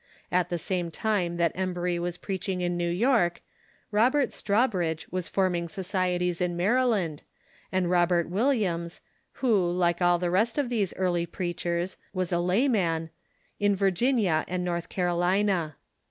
At the same time that Em New n6cruiis bury was preaching in New York, Robert Strav, bridge was forming societies in iMaryland, and Robert Will iams, who, like all the rest of these early preachers, Avas a layman, in Virginia and North Carolina.